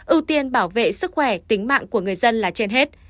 ưu tiên bảo vệ sức khỏe tính mạng của người dân là trên hết